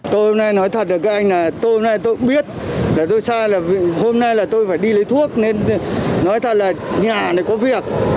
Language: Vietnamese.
tôi hôm nay nói thật được các anh là tôi hôm nay tôi cũng biết để tôi sai là hôm nay là tôi phải đi lấy thuốc nên nói thật là nhà này có việc